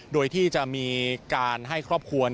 โดยที่จะมีการให้ครอบครัว